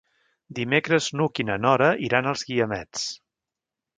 Dimecres n'Hug i na Nora iran als Guiamets.